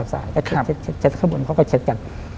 สดท้าย